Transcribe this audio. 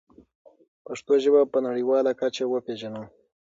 پښتو ژبه په نړیواله کچه وپېژنو.